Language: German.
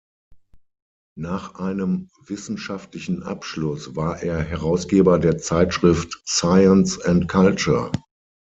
Nach einem wissenschaftlichen Abschluss war er Herausgeber der Zeitschrift "Science and Culture".